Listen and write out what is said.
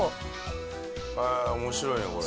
へえ面白いねこれ。